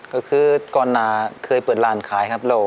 ก็คือกรณาเคยเปิดร้านขายครับ